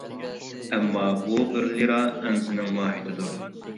ئەمما، بۇ بىر لىرا ئەنزىنىڭ ماھىيىتىدۇر.